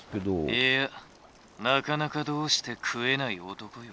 「いやなかなかどうして食えない男よ」。